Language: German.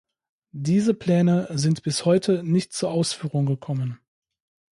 Diese Pläne sind bis heute nicht zur Ausführung gekommen.